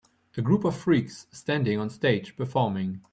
A group of freaks standing on stage performing.